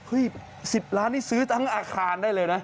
๑๐ล้านนี่ซื้อทั้งอาคารได้เลยนะ